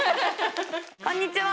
こんにちは。